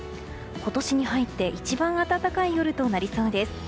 今年に入って一番暖かい夜となりそうです。